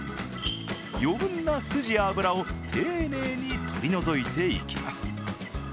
余分な筋や脂を丁寧に取り除いていきます。